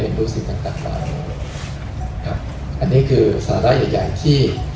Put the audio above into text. อันนี้คือสารใหญ่ต่างที่